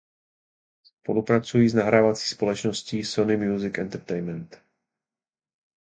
Spolupracují s nahrávací společností Sony Music Entertainment.